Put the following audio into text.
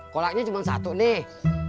koloknya cuma satu nih